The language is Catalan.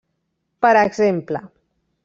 Per exemple: